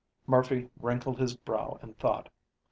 Murphy wrinkled his brow in thought.